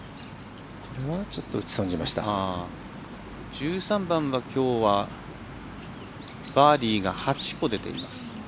１３番は、きょうはバーディーが８個出ています。